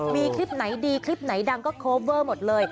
มีคลิปไหนดีคลิปไหนดังก็โคเวอร์หมดเลย